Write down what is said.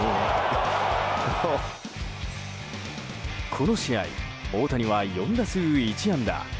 この試合大谷は４打数１安打。